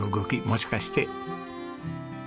もしかして。